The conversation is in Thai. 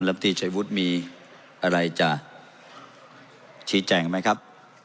ตีชัยวุฒิมีอะไรจะชี้แจงไหมครับ